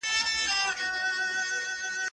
شاګرد د موضوع پوښتنې څنګه جوړوي؟